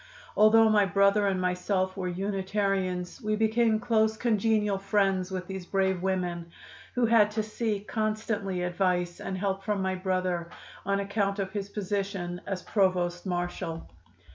Although my brother and myself were Unitarians we became close, congenial friends with these brave women, who had to seek constantly advice and help from my brother on account of his position as Provost Marshal.